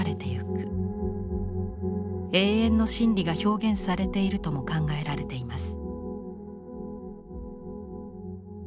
永遠の真理が表現されているとも考えられています。